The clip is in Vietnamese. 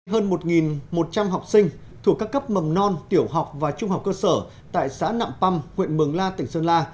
hơn một một trăm linh học sinh thuộc các cấp mầm non tiểu học và trung học cơ sở tại xã nạm păm huyện mường la tỉnh sơn la